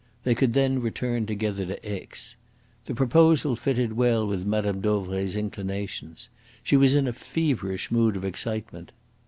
They could then return together to Aix. The proposal fitted well with Mme. Dauvray's inclinations. She was in a feverish mood of excitement.